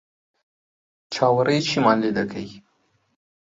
چاوەڕێی چیمان لێ دەکەیت؟